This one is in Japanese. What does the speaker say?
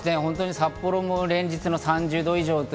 札幌も連日の３０度以上。